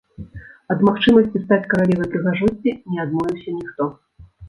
Ад магчымасці стаць каралевай прыгажосці не адмовіўся ніхто.